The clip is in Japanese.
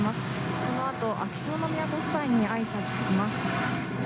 このあと秋篠宮ご夫妻に、挨拶します。